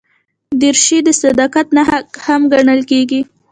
دریشي د صداقت نښه هم ګڼل کېږي.